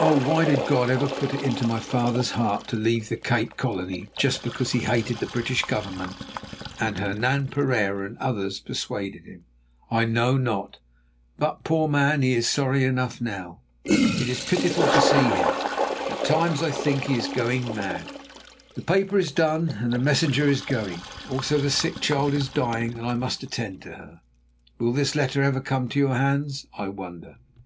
"Oh, why did God ever put it into my father's heart to leave the Cape Colony just because he hated the British Government and Hernan Pereira and others persuaded him? I know not, but, poor man, he is sorry enough now. It is pitiful to see him; at times I think that he is going mad. "The paper is done, and the messenger is going; also the sick child is dying and I must attend to her. Will this letter ever come to your hands, I wonder?